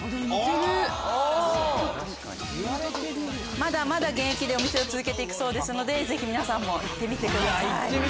まだまだ現役でお店を続けて行くそうですのでぜひ皆さんも行ってみてください！